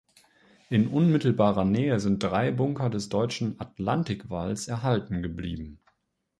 In unmittelbarer Nähe sind drei Bunker des deutschen Atlantikwalls erhalten geblieben.